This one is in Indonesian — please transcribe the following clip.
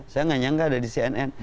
saya nggak nyangka ada di cnn